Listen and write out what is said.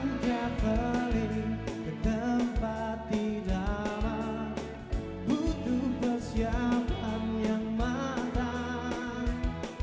tidak keliling ke tempat di dalam butuh persiapan yang matang